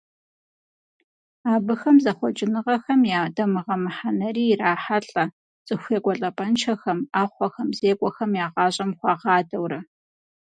Абыхэм зэхъуэкӀыныгъэхэм я дамыгъэ мыхьэнэри ирахьэлӀэ, цӀыху екӀуэлӀапӀэншэхэм, Ӏэхъуэхэм, зекӀуэхэм я гъащӀэм хуагъадэурэ.